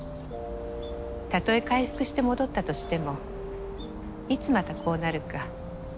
たとえ回復して戻ったとしてもいつまたこうなるか。